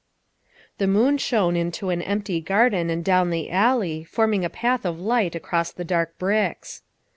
The moon shone into an empty garden and down the alley, forming a path of light across the dark bricks.